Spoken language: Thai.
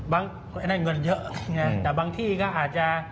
บางที่ให้เงินเยอะแต่บางที่ก็อาจจะ